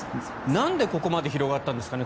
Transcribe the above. なんでここまで広がったんですかね